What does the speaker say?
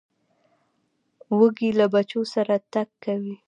وزې له بچو سره تګ کوي